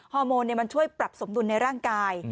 ฮอร์โมนมันช่วยปรับสมดุลในร่างกาย